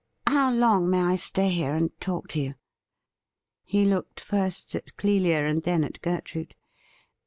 How long may I stay here and talk to you ?' He looked first at Clelia and then at Gertrude.